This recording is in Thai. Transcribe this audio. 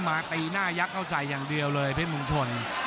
มาตีหน้ายักษ์เข้าใส่อย่างเดียวเลยเพชรมุงชน